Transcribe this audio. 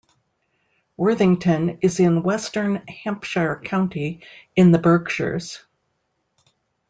Worthington is in western Hampshire County, in the Berkshires.